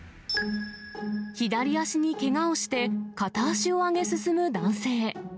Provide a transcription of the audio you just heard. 左足にけがをして、片足を上げ進む男性。